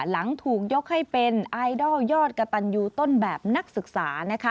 หลังถูกยกให้เป็นไอดอลยอดกระตันยูต้นแบบนักศึกษานะคะ